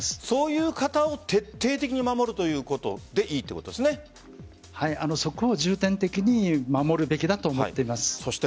そういう方を徹底的に守るということでそこを重点的に守るべきだと思っています。